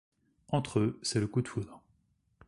Entre eux, c'est le coup de foudre.